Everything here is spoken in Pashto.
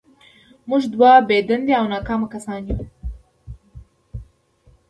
موږ دوه بې دندې او ناکام کسان وو